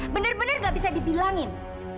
bener bener gak bisa dibilangin